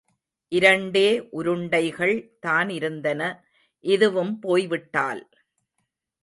இரண்டே உருண்டைகள் தானிருந்தன, இதுவும் போய்விட்டால்.